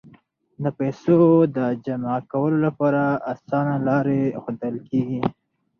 د پیسو د جمع کولو لپاره اسانه لارې ښودل کیږي.